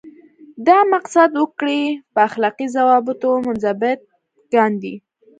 دا مقصد وګړي په اخلاقي ضوابطو منضبط کاندي.